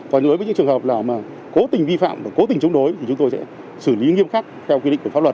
còn đối với những trường hợp nào mà cố tình vi phạm và cố tình chống đối thì chúng tôi sẽ xử lý nghiêm khắc theo quy định của pháp luật